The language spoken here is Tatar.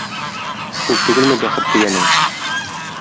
Шул түгелме бәхет дигәнең?!